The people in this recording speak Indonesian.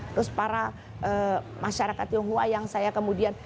terus para masyarakat tionghoa yang saya kemudian